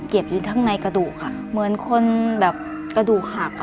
เก็บอยู่ทั้งในกระดูกค่ะเหมือนคนแบบกระดูกหักอะไร